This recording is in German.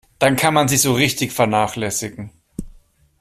Dann kann man sich so richtig vernachlässigen.